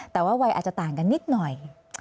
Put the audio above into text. แต่ว่าวัยอาจจะต่างกันนิดหน่อย